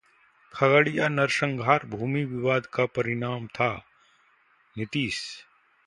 खगड़िया नरसंहार भूमि विवाद का परिणाम था: नीतीश